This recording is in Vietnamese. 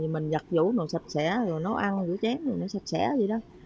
mình nhặt vũ nó sạch sẽ rồi nó ăn vũ chén thì nó sạch sẽ vậy đó